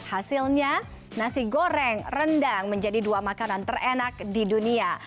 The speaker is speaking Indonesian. hasilnya nasi goreng rendang menjadi dua makanan terenak di dunia